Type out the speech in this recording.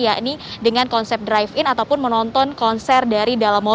yakni dengan konsep drive in ataupun menonton konser